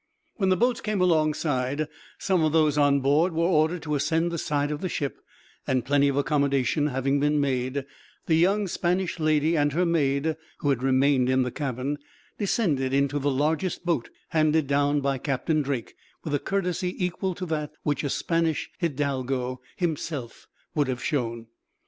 When the boats came alongside, some of those on board were ordered to ascend the side of the ship; and, plenty of accommodation having been made, the young Spanish lady and her maid, who had remained in the cabin, descended into the largest boat; handed down by Captain Drake, with a courtesy equal to that which a Spanish hidalgo himself would have shown.